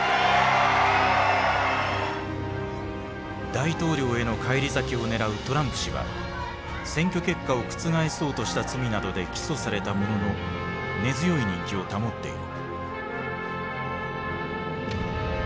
大統領への返り咲きを狙うトランプ氏は選挙結果を覆そうとした罪などで起訴されたものの根強い人気を保っている。